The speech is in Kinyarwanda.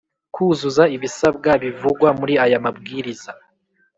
Kuzuza ibisabwa bivugwa muri aya Mabwiriza